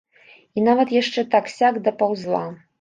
І нават яшчэ так-сяк дапаўзла.